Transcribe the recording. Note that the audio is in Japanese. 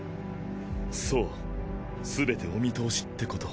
そうすべてお見通しってこと？